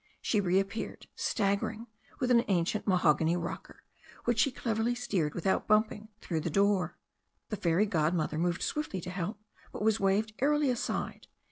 She reappeared, stag gering, with an ancient mahogany rocker, which she clev erly steered without bumping through the door. The fairy godmother moved swiftly to help, but was waved airily aside.